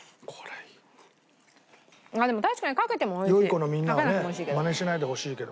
良い子のみんなはねマネしないでほしいけど。